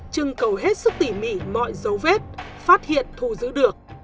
chừng cầu hết sức tỉ mỉ mọi dấu vết phát hiện thù giữ được